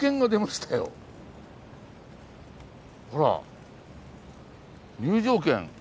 ほら入場券。